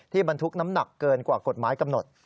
บรรทุกน้ำหนักเกินกว่ากฎหมายกำหนด